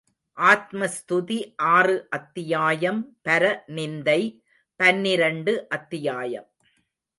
ஆத்ம ஸ்துதி ஆறு அத்தியாயம் பர நிந்தை பன்னிரண்டு அத்தியாயம்.